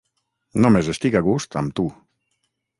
Només estic a gust amb tu.